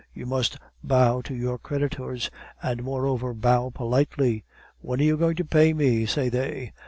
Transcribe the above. You must bow to your creditors, and moreover bow politely. 'When are you going to pay me?' say they.